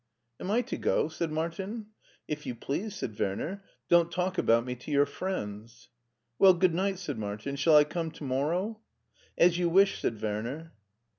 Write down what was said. " Am I to go ?" said Martin. " If you please," said Werner. " Don't talk about me to your friends." " Well, good night," said Martin. " §hall I come to morrow ?"" As you wish," said Werner.